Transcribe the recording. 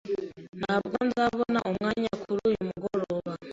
Ntabwo nzabona umwanya kuri uyu mugoroba.